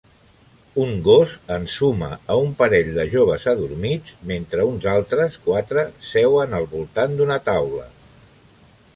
Un gos ensuma a un parell de joves adormits mentre uns altres quatre seuen al voltant d'una taula.